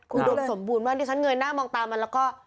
อุดมสมบูรณ์มากดิฉันเงยหน้ามองตามันแล้วก็